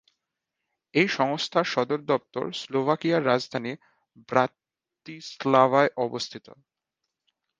এই সংস্থার সদর দপ্তর স্লোভাকিয়ার রাজধানী ব্রাতিস্লাভায় অবস্থিত।